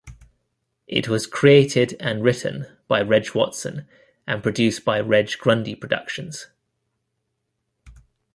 It was created and written by Reg Watson and produced by Reg Grundy Productions.